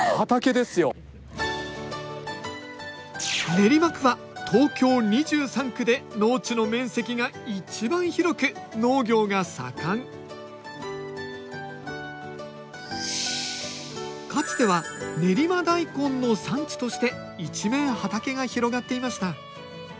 練馬区は東京２３区で農地の面積が一番広く農業が盛んかつては練馬大根の産地として一面畑が広がっていました